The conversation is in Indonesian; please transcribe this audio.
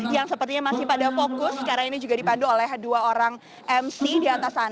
yang sepertinya masih pada fokus karena ini juga dipandu oleh dua orang mc di atas sana